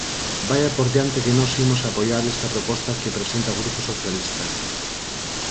Vaia por diante que nós imos apoiar esta proposta que presenta o Grupo Socialista.